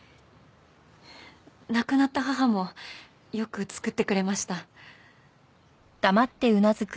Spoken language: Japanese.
亡くなった母もよく作ってくれました。